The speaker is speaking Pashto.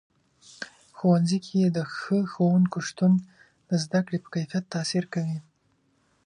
ښوونځي کې د ښه ښوونکو شتون د زده کړې په کیفیت تاثیر کوي.